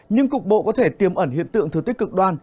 nhưng cục bộ có thể tiêm ẩn hiện tượng thừa tích cực đoan